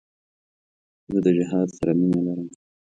زه د جهاد سره مینه لرم.